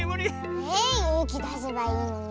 えゆうきだせばいいのに。